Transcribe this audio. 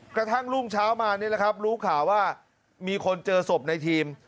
กระทั่งรุ่งเช้ามานี่แหละครับรู้ข่าวว่ามีคนเจอศพในทีม